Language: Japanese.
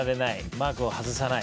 マークを外さない。